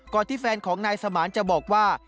ที่แฟนของนายสมานจะบอกว่า